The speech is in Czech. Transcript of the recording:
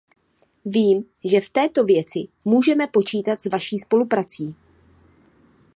Vím, že v této věci můžeme počítat s vaší spoluprací.